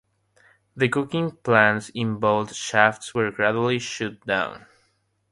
The coking plants in both shafts were gradually shut down.